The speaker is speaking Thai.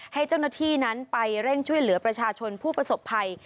ให้เจ้าหน้าที่นั้นไปเร่งช่วยเหลือประชาชนผู้ประสบภัย